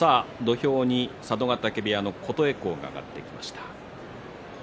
土俵に佐渡ヶ嶽部屋の琴恵光が上がってきました。